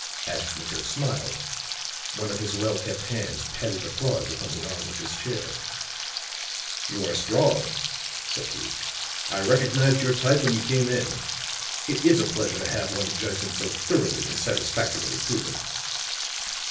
Ashton Kirk smiled. One of his well kept hands patted applause upon the arm of his chair. "You are strong," said he. "I recognized your type when you came in. It is a pleasure to have one's judgment so thoroughly and satisfactorily proven."